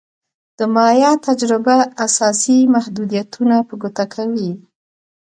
د مایا تجربه اساسي محدودیتونه په ګوته کوي.